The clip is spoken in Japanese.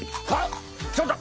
ちょっと！